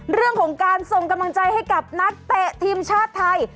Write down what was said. เรื่องของการส่งกำลังใจให้กับนักเตะทีมชาติไทย